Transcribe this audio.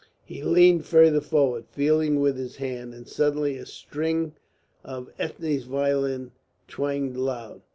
He leaned farther forward, feeling with his hand, and suddenly a string of Ethne's violin twanged loud.